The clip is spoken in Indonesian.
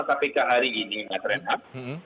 kpk hari ini pak krenak